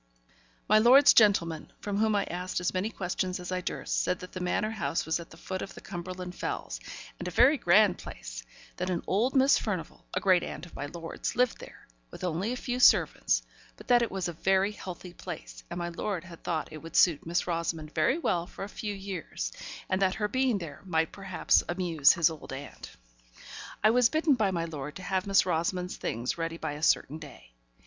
My lord's gentleman, from whom I asked as many questions as I durst, said that the Manor House was at the foot of the Cumberland Fells, and a very grand place; that an old Miss Furnivall, a great aunt of my lord's, lived there, with only a few servants; but that it was a very healthy place, and my lord had thought that it would suit Miss Rosamond very well for a few years, and that her being there might perhaps amuse his old aunt. I was bidden by my lord to have Miss Rosamond's things ready by a certain day.